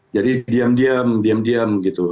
jadi diam diam diam diam gitu